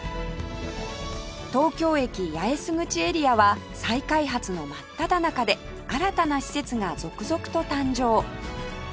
東京駅八重洲口エリアは再開発の真っただ中で新たな施設が続々と誕生